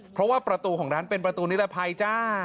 เพราะว่าประตูของร้านเป็นประตูนิรภัยจ้า